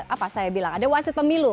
apa saya bilang ada wasit pemilu